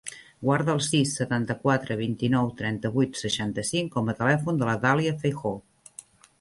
Guarda el sis, setanta-quatre, vint-i-nou, trenta-vuit, seixanta-cinc com a telèfon de la Dàlia Feijoo.